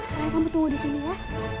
saya kamu tunggu disini ya